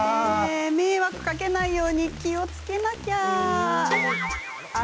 迷惑かけないように気をつけなきゃ。